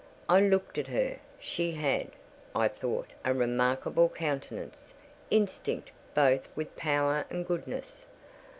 I looked at her. She had, I thought, a remarkable countenance, instinct both with power and goodness.